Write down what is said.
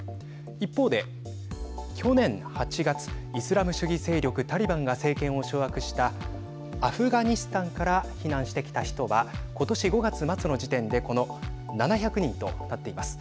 一方で、去年８月イスラム主義勢力タリバンが政権を掌握したアフガニスタンから避難してきた人はことし５月末の時点でこの７００人となっています。